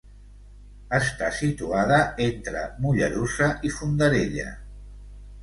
Està situada entre Mollerussa i Fondarella.